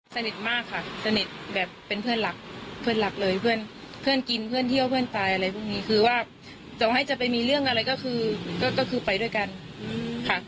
สนิทมากค่ะสนิทแบบเป็นเพื่อนหลักเพื่อนหลักเลยเพื่อนเพื่อนกินเพื่อนเที่ยวเพื่อนตายอะไรพวกนี้คือว่าจะให้จะไปมีเรื่องอะไรก็คือก็คือไปด้วยกันค่ะ